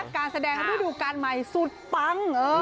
การแสดงฤดูการใหม่สุดปัง